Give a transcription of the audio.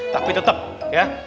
tapi tetap ya